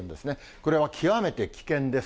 これは極めて危険です。